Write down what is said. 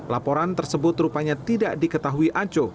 laporan tersebut rupanya tidak diketahui aco